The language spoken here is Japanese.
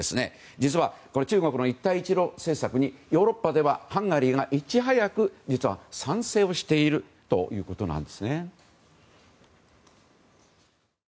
実は、中国の一帯一路政策にヨーロッパではハンガリーがいち早く賛成をしているということなんです。